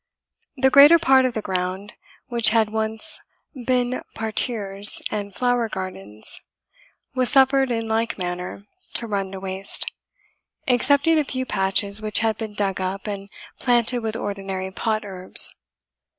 The greater part of the ground, which had once been parterres and flower gardens, was suffered in like manner to run to waste, excepting a few patches which had been dug up and planted with ordinary pot herbs.